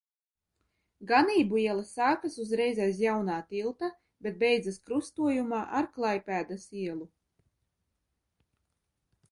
Ganību iela sākas uzreiz aiz Jaunā tilta, bet beidzas krustojumā ar Klaipēdas ielu.